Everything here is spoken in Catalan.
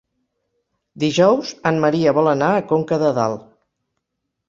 Dijous en Maria vol anar a Conca de Dalt.